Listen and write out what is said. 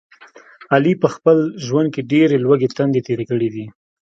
علي په خپل ژوند کې ډېرې لوږې تندې تېرې کړي دي.